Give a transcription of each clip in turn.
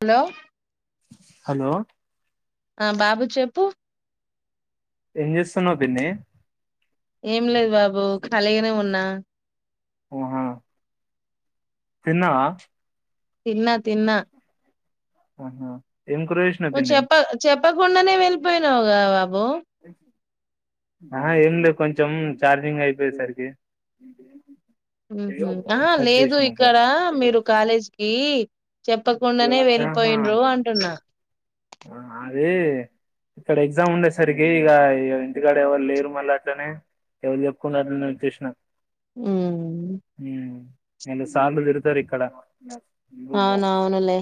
Hello hello ఆ బాబు చెప్పు ఎంజెస్తున్నా పిన్నే ఏం లేదు బాబు ఖాలిగానే ఉన్నా హా తనా తిన్నా తిన్నా ఆహా ఏం కూర చేసినావు పిన్ని చెప్ప చెప్పకుండానే వెళ్ళిపోయినావు అ ఆ ఏం లేదు కొంచెం చార్జింగ్ అయిపోయేసరికి ఆ కట్ లేదు చేసినా ఇక్కడ మీరు కాలేజీకి చెప్ తప్పకుండానే సార్ ఆహా వెళ్ళిపోయిండ్రు అంటున్నా ఆ అది ఇక్కడ ఎగ్జామ్ ఉండేసరికి ఇక ఇంటికాడ ఎవరు లేరు మళ్ళీ అట్లనే ఎవరు చెప్పుకుంటార చసిన ఉమ్, హ ఏను సామిలు ఇరుతారు ఇక్కడ అవునవును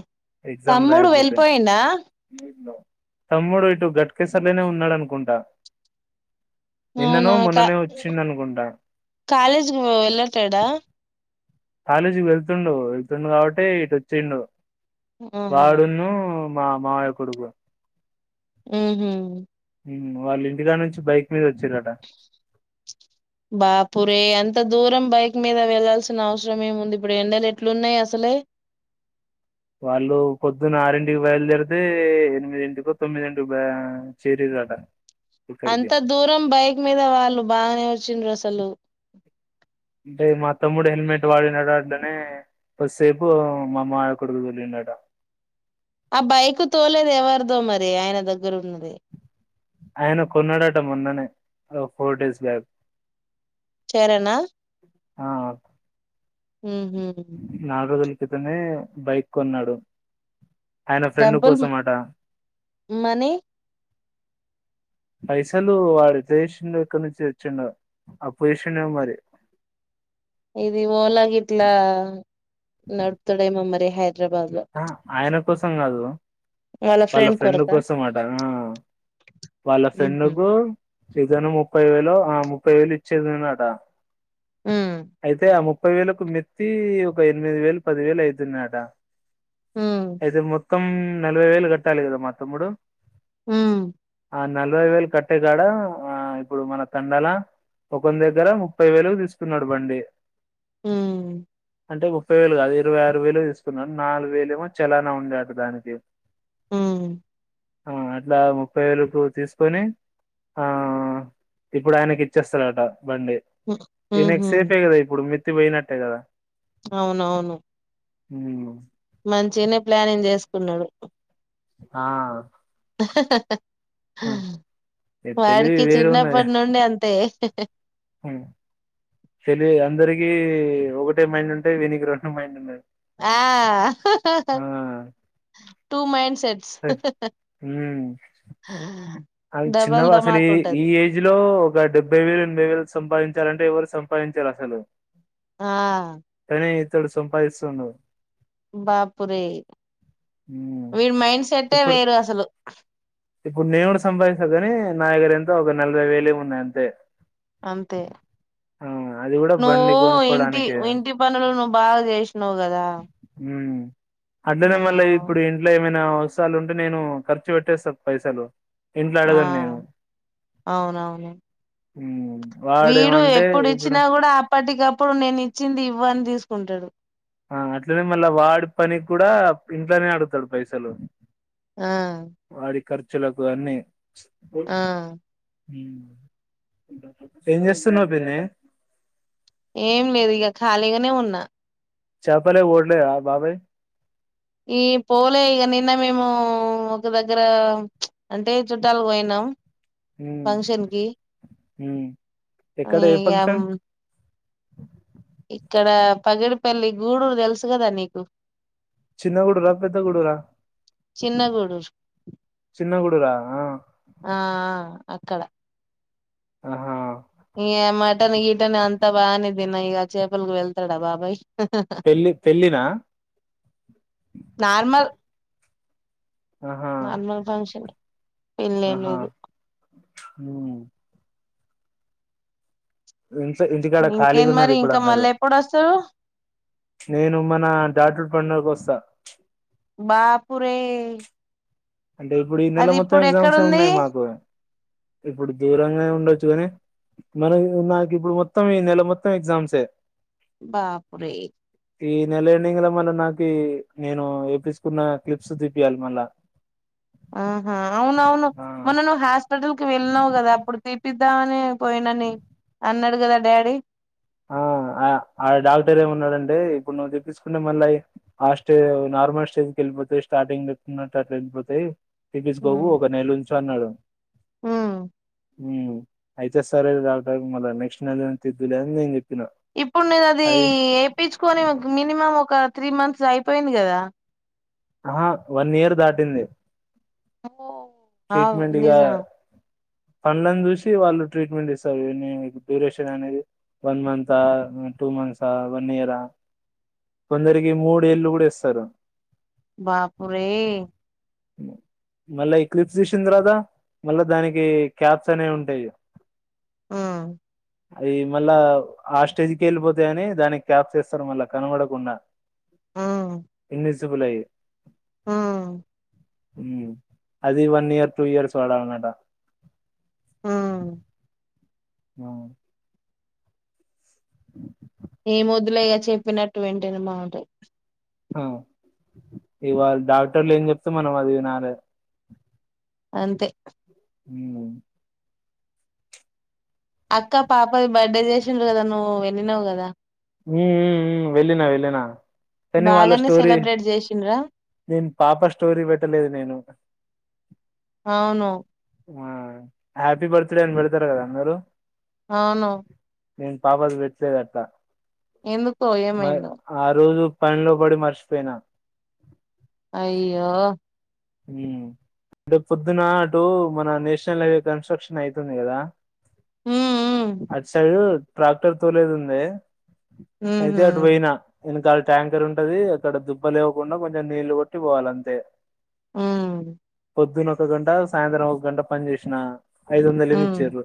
ఎగ్జామ్ తమ్ముడు రాయకపోతే వెళ్ళిపోయిండా తమ్ముడు ఇటు గట్కేసర్లనే ఉన్నాడనుకుంటా అవునా క కాలేజీకి వెళ్ళట్లేడా కాలేజీకి వెళ్తుండు వెళ్తుండు కాబట్టి ఇటొచ్చిండు ఆహా వాడును మా మావయ కొడుకు ఊహు ఉమ్ వాళ్ళ ఇంటికానుంచి బైక్ మీద వచ్చిరట బాపురే అంత దూరం బైక్ మీద వెళ్లాల్సిన అవసరం ఏముంది ఇప్పుడు ఎండలు ఎట్లున్నాయి అసలే వాళ్ళు పొద్దున్న ఆరింటికి బయలుదేరితే ఎనిమిదింటికో తొమ్మిదింటిక్ చేరిరట అంత దూరం బైక్ మీద వాళ్ళు బాగానే చిన్ రసలు అంటే మా తమ్ముడు హెల్మెట్ వాడిండట అట్లనే కొస్సేపు మా మావయకొడుకు తోలిండట ఆ బైకు తోలేది ఎవరిదో మరి ఆయన దగ్గరుంది ఆయన కొన్నాడట మొన్ననే ఓ ఫోర్ డేస్ బ్యాక్ చరణా ఆ మ్ హూ క్రితనే బైక్ కొన్నాడు ఆయన ఫ్రెండ్ డబ్బుల్ కోసం అట. మనీ పైసలు వాడి ఎట్లజేషిండో ఎక్కడ నుంచి తెచ్చిండో అప్పుజేషిండేమో మరి ఇది ఓలా గిట్లా నడుప్తడేమో మరి హైదరాబాద్ లో ఆ ఆయన కోసం కాదు వాళ్ళ ఫ్రెండ్ కోసం అట ఆ వాళ్ళ ఫ్రెండు ఉహు కు శ్రీజను ముప్పై వేలో ఆ ముప్పై వేలు ఇచ్చిన్నానట ఉమ్ అయితే ఆ ము ముప్పై వేలకు మెత్తి ఒక ఎనిమిది వేలు పది వేలు అయితున్నాయట హుమ్ అయితే మొత్తం నలభై వేలు కట్టాలి కదా మా తమ్ముడు ఉమ్ ఆ నలభై వేలు కట్టేగాడ ఆ ఇప్పుడు మన తండాల ఒకని దగ్గర ముప్పై వేలకు తీసుకున్నాడు బండి ఉమ్ అంటే ముప్పై వేలు కాదు ఇరవై ఆరు వేలు తీస్ కున్నడ్ నాలుగు వేలేమో చలానా ఉండే అట దానికి ఉమ్ ఆ అట్లా ముప్పై వేలు కు తీసుకొని, ఆ ఇప్పుడు ఆయనకి ఇచ్చేస్తారట. బండి ఉ- దీని ఉహు ఎక్స్ ఐతే కదా ఇప్పుడు మి. తిట్టి ఓయినట్టే గదా. అవునవును. ఏమో. మంచినే ప్లానింగ్ చేసుకున్నాడు. ఆ. ఆ! ఈ [inaudible] తెలివి వాడికి చిన్నప్పటి నుండి అంతే. [inaudible] ఉ తెలి అందరికి ఒకటే మైండ్ ఉంటేయి వీనికి రెండు మైండ్ ఉన్నాయి. ఆ టూ మైండ్ సేట్. ఉమ్ [inaudible] అది చిన్నవ్ అసలు ఈ ఏజ్ లో. ఇప్పుడ డెబ్బై వేలు ఎనభై వేలు సంపాదించాలంటే ఎవరు సంపాదించారు అసలు. ఆ. కానీ ఇతడు సంపాయిస్తుండు. బాపురే హ్మ్. వీడి మైండ్ సెట్టే ఇప్పుడు వేరు అసలు. ఇప్పుడు నేను కూడా సంపాదిస్తాను కాని నా దగర ఎంతో ఒక నలభై వేలేమొ ఉన్నాయి అంతే. అంతే ఆ అది కూడా నువ్వు బండి ఇంటి కొనుక్కోడానికే వింటి పనులు నువ్వు బాగా చేశినవ్ గదా. మ్మ్ అట్లనే మళ్ళీ ఇప్పుడు ఇంట్లో ఏమైనా. నా అవసరాలు ఉంటే నేను ఖర్చు పెట్టేస్తా. పైసలు. ఇంట్లో ఆ అడగను నేను అవునవును. ఊమ్. వీడు ఎప్పుడు ఇచ్చినా కూడా అప్పటికప్పుడు నేను ఇచ్చింది ఇవ్వన్. తీసుకుంటాడు. ఆ అట్లనే మళ్ళా వాడి పని కూడా ఇంట్లోనే అడుగుతాడు పైసలు. ఆ. పచ్చులకు అన్నీ. ఆ. ఏం జెస్తున్నావు పిన్నీ. ఏం లేదు ఇగ ఖాళీగానే ఉన్నా. చెప్పలే ఓడ్లే అ బాబాయ్. ఈ పోలే ఇక నిన్న మేము ఒక దగ్గర చ్చ అంటే చుట్టాల పోయినాం. ఫంక్షన్ కి హు ఎక్కడ ఏ ఫంక్షన్ ఇగ అ ఇక్కడ పగిడిపల్లి గూడరు తెలుసు కదా నీకు చిన్న గుడురా పెద్ద గుడురా చిన్న గూడూరు చిన్న గుడురా ఆ ఆ అక్కడ ఆహా ఇగ మటన్ గీటన్ అంతా బానే తిన్న ఇగ చేపలకి వెళ్తాడా బాబాయ్ పెళ్లి పెళ్లినా నార్మల్ నార్మల్ ఫంక్షన్ ఏ ఆహా హు ఇ ఇంటికాడ ఖాళీగా ఇంకేంటి ఉన్నారు మరి ఇప్పుడు ఇంకా అందరూ మళ్ళీ ఎప్పుడు వస్తారు నేను మన డాాటు పండగకి వస్తా బపు రే అంటే ఇప్పుడు ఈ నెల మొత్తం ఎగ్జామ్స్ ఏ ఉన్నాయి మాకు ఇప్పుడు దూరంగానే ఉండొచ్చు కాని మన నాకు ఇప్పుడు మొత్తం ఈ నెల మొత్తం ఎగ్జామ్సే ఏ బపురే ఈ నెల ఎండింగ్ లో మళ్ళా నాకు నేను వేపిచ్చుకున్న క్లిప్స్ తిప్పించాలి మళ్ళా ఆహా అవునవును మొన్న నువ్ హాస్పిటల్ వెళ్ళినావు కదా అప్పుడు తీపిద్దామని పోయినాని అన్న దా డాడీ ఆ ఆ ఆ డాక్టర్ ఏమి ఉన్నాడంటే ఇప్పుడు నువ్వు తెిప్పించకుంటే మళ్ళీ ఆ స్టేజ్ నార్మల్ స్టేజ్ కి వెళ్ళిపోతాయి స్టార్టింగ్కున్నట్టు అలా వెళ్ళిపోతాయి తిపిచ్చుకోకు ఒక నెల ఉంచు అన్నాడు ఉమ్ హు అయితే సరే డాక్టర్ మళ్ళ నెక్స్ట్ నెల తీద్డువులే ని చే ఇప్పుడు నేను అది వయించుకొని మినిమం ఒక త్రీ మంత్స్ అయిపోయింది కదా ఆహా వన్ ఇయర్ దాటింది ఓ ట్రీట్మెంట్గా పంలను చూసి వాళ్ళు ట్రీట్మెంట్ ఇస్తారు డ్యూరేషన్ అనేది వన్ మంత్ హ టూ మంత్స్ ఆ వన్ ఇయరా కొందరికి మూడేళ్ళు కూడా ఇస్తారు బాపు రే మళ్ళా ఎక్లిప్స్ తీసిన తర్వాతా మళ్ళా దానికి క్యాప్స్ అనేవి ఉంటాయి ఆ అ మళ్ళా ఆ స్టేజ్కి వెళ్ళిపోతా అని దానికి క్యాప్ చేస్తారు మళ్ళా కనబడకుండా ఇంగ్లీస్ జూలయి ఆ అది వన్ ఇయర్ టూ ఇయర్స్ వాడాలంట ఆ ఆ ఏం వద్దులే ఇగ చెప్పినట్టు వింటది మాట ఆ ఇవాళ డాక్టర్లు ఏం చెప్తా మనం అది వినాలే అంతే ఉ అక్క పాప బర్త్డే చేసిన రోజు నువ్వు వె విన్నావు కదా ఉ ఉ వెళ్ళిన వెళ్ళిన కానీ వాళ్ళ బాగానే స్టోరీ సెలబ్రేట్ చేసిండ్రా నేను పాప స్టోరీ పెట్టలేదు నేను అవును ఆ హ్యాపీ బర్త్డే అని పెడతారు కదా మీరు అవును నేను పాపది పెట్లేదు అట్టా ఎందుకో మరి ఏమైందో ఆ రోజు పనిలో బడి మర్చిపోయినా అయ్యో అంటే పొద్దున అటు మన నేషనల్ హైవే కన్స్ట్రక్షన్ అయితుంది కదా ఉమ్ అసలు ట్రాక్టర్ తోలేది ఉంది ఉమ్ అయితే అటు ఉహు పోయినా ఎనకాల ట్యాంకర్ ఉంటది అక్కడ దుబ్బ లేవకుండా కొంచెం నీళ్లు కొట్టి పోవాల అంతే ఉమ్ పొద్దున్న ఒక గంట సాయంత్రం ఒక గంట పని చేసిన ఐదువంద లిమ ఉమ్ ఇచ్చిర్రు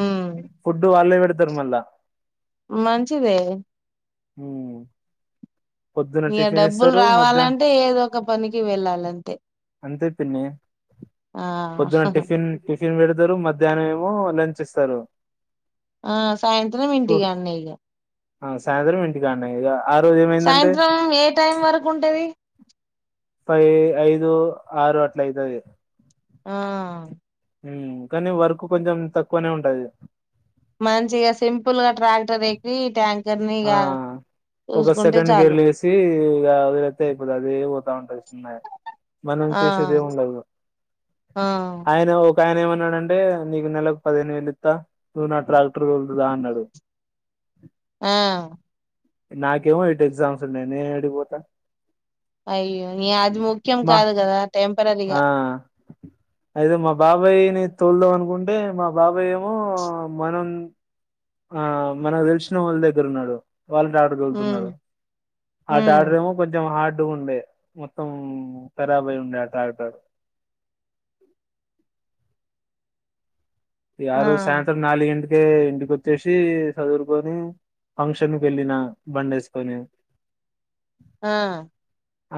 ఉమ్ ఫుడ్ వాళ్లే తుర్మల మంచిదే హ ఇగ డబ్బులు రావాలంటే ఏదో ఒక పనికి వెళ్ళాలంతే అంతే పిన్ని ఆ చికెన్ పెడతారు మధ్యాహ్నం ఏమో లంచ్ ఇస్తారు ఆ సాయంత్రం ఇంటికాన్నే ఇగ ఆ సాయంత్రం ఇంటికాడనే ఇగఆ రోజు ఏమైందంటే సాయంత్రం ఏ టైం వరకు ఉంటుది ఫై ఐదు ఆరు అట్లా అయితది ఆ కానీ వర్క్ కొంచెం తక్కువనే ఉంటది మంచిగా సింపులగా ట్రాక్టర్ ఎక్కి ట్యాంక్ ఆ ఒక సెకండ్ గ చాలు ఎర్లు వేసి ఇ వదిలైతే అయిపోతు అదే పోతా ఉంటాది మనం ఆ చుసేది ఏం ఉండదు ఆ ఆయన ఒక ఆయన ఏమన్నాడుంటే నీకు నెలలకు పదిహేను వేలు ఇస్తా నువ్వు నా ట్రాక్టర్ తొలుదువ్ రా అన్నాడు ఆ నాకేమో ఇటు ఎగ్జామ్స్ ఉన్నాయి నేను ఏడికిపోతా అయ్యో నీ అది ముఖ్యం మా కాదు కదా ఆ టెంపరరీగా అయితే మా బాబాయ్ని తోల్దా అనుకు అకుంటే మా బాబాయ ఏమో మనం ఆ మనకు తెలిసిన వాళ్ళ దగ్గర ఉన్నాడు వాళ్ళ ట్రాక్టర్ ఉమ్ తొల్తునాడు ఆ ఉమ్ ట్రాక్టర్ ఏమో కొంచెం హార్డ్ ఉండే మొత్తం కరబు అయి ఉండే ఆ ట్రాక్టర్ ఆ రోజు సాయంత్రం నాలుగు గంటి అకే ఇంటికొచ్చేసి చదురుకొని ఫంక్షన్కి వెళ్ళిన బండ వేసుకొని ఆ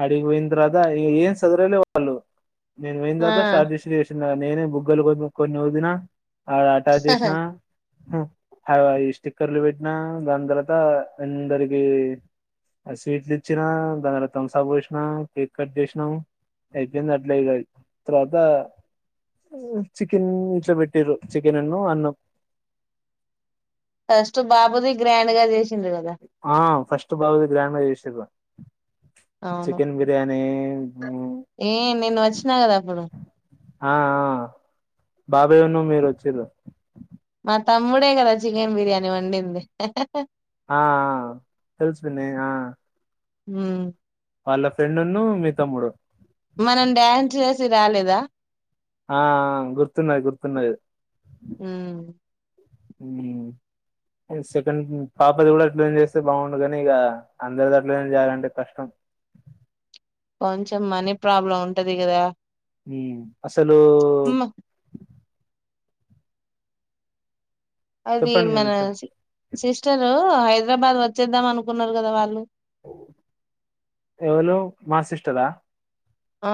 అడికి పోయిన తర్వాత ఏన్ సదరాల వాళ్ళు నేను ఆ పోయినాతర్వత స్టార్ట్ చేసి చి నేనే బుగ్గలు కొన్నీ కొన్నిదినా ఆ ఆట చూసిన ఈ స్టిక్కర్లు పెట్టినా దాని తర్వాత అందరికి స్వీట్లు ఇచ్చినా దాని తర్వాత తమ్బ్సప్ పోసినాం కేక్ కట్ చేసినాం అయింది అట్లే తర్వాత చికెన్ ఇంట్లో పెట్టారు చికెన్ అన్న అన్నం ఫస్ట్ బాబుది గ్రాండ్ గా చేసి చిందవాద ఆ ఫస్ట్ బాబుకి గ్రాండ్ గా చేసిన్రు అవును ఏ నిన్న వచ్చినా కదా అప్పుడు ఆ బాబాయ ఉన్న మీరు వచ్చిన్రు మా తమ్ముడే కదా చికెన్ బిర్యానీ వండింది ఆ తెల్సు పిన్ని ఆ హ వాళ్ళ ఫ్రెండ్న్న మీ తమ్ముడు మనం డ్యాన్స్ చేసి రాలేదా ఆ గుర్తు గుర్తున్నాయి మ్మ్ గుర్తున్నాయి సెకండ్ పాపది కూడా అట్లానే చేస్తే బాగుండు కానీ ఇక అందరికి అట్లానే చేయాలంటే కష్టం కొంచెం మనీ ప్రాబ్లం ఉంటది కదా హ అసలు మ్మ్ అది చెప్పండి మన విని చె సిస్టరు హైద హైదరాబాద్ వచ్చేద్దాం అనుకున్నారు కదా వాళ్ళు ఎవలూ మా సిస్టర్ ఆ ఆ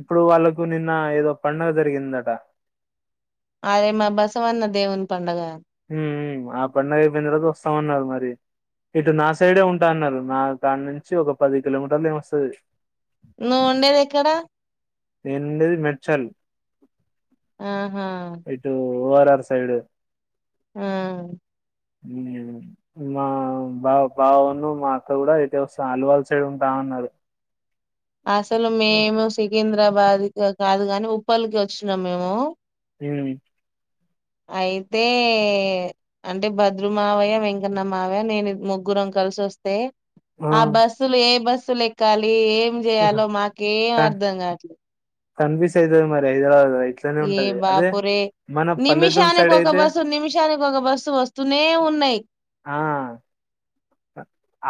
ఇప్పుడు వాళ్ళకు నిన్న ఏదో పండగ జరిగిందట అరే మా బసవన్న దేవుని పండగ ఆ పండగ అయిపోయిన తరువాత వస్తామన్నారు మరి ఇటు నా సైడే ఉంటా అన్నారు నా కాడ నుంచి ఒక పది కిలోమీటర్లు ఏమి వస్తది ను ఉండేదెక్కడా? నేన్ ఉండేది మేడ్చల్ ఆ ఆ ఓ ఆర్ ఆర్ సైడ్ ఆ మా బా బావున్ను మా అక్క గూడా ఇట్టే వస్తా అల్వాల్ సైడ్ ఉంటా అన్నారు. అసలు మేము సికింద్రాబాద్కి వ కాదు గని ఉప్పల్కి వచ్చినం మేము హ్ అయితే అంటే భద్రుమావయ్య వెంకన్నమావయ్య నేను ముగ్గురం కలిసి వస్తే ఆ బస్సులు ఏ బస్ సు లెక్కాలీ ఏం క చేయాలో మాకేం అర్ధం కాట్లే కన్ఫ్యూజ్ అయితది మరి హైదరాబాద్ ఇట్లనే ఏ ఉంటది అదే బాపురే మన పల్లెటూరు నిమిషానికి సైడ్ ఒక అయితే బస్సు నిమిషానికి ఒక బస్సు వస్తూనే ఉన్నయి. ఆ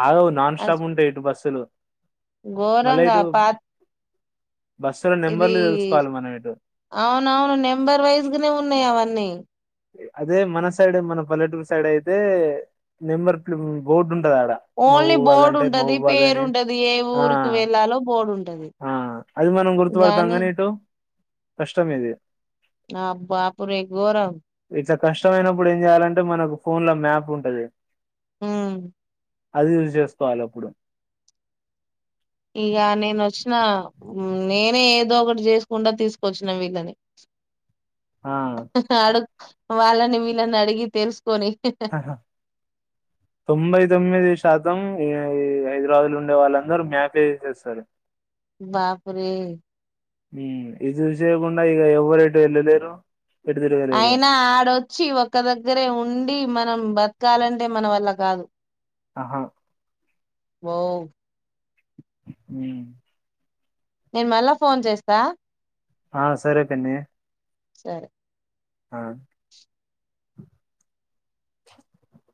ఆగవు. నాన్ స్టాప్ ఉంటయి ఇటు బస్సులు మళ్ళ ఘోరంగా ఇటు పా బస్సుల ఇది నెంబర్లు తెలుసుకోవాలి మనం ఇటు అవునవును నెంబర్ వైజ్గనే ఉన్నయి అవన్ న్నీ అదే మన సైడ్ మన పల్లెటూర్ సైడ్ అయితే నెంబర్ బోడ్ ఓన్లీ బోర్డు ఉంటది అని పేరుంటది ఏ ఆ ఊరుకి వెళ్ళాలో బోర్డు ఉం ఆ అది మనం గుర్తు గుర్తు పెడతాం గనీ ఇటు కష్టం ఇది. ఆ బాపురే గోరం. ఇంత కష్టమైనప్పుడు ఏం చేయ్యాలంటే మనకు ఫోన్ల మ్యాప్ ఉంటది. హే అది యూస్ చేసుకోవాలె అప్పుడు ఇగ నేన్ ఒచ్చిన నేనే ఏదో ఒకటి చేసుకుంట తీసుకొచ్చిన వీళ్ళని ఆ అడు వాళ్ళని వీళ్ళని అడిగి తెల్స్ ఆహా తొంభై తొమ్మిది శా మొత్తం హైదరాబాద్లో ఉండే వాళ్ళందరూ మ్యాపే యూస్ చేస్తారు. బాపురే ఇది యూస్ చేయకుండా ఇగ ఎవ్వరు ఎటు వెళ్ళలేరు. ఎటు తిరగలేరు అయినా ఆడొచ్చి ఒక దగ్గరే ఉండి మనం బ ఎక్కాలంటే మన వల్ల కాదు. అహ వావ్ హ నేను మళ్ళా ఫోన్ చేస్తా ఆ సరే పిన్నీ సరే ఆ